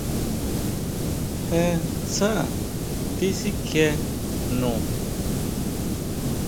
Jé sjá tisikjien jnu.